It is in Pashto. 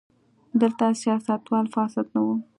دلته سیاستوال فاسد نه وو.